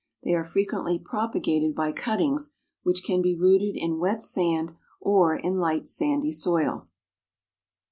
They are frequently propagated by cuttings, which can be rooted in wet sand, or in light sandy soil.